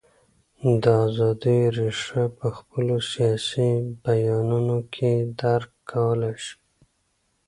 د ازادیو رېښه په خپلو سیاسي بیانیو کې درک کولای شو.